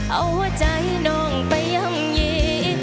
เอาหัวใจน้องไปย่ำยี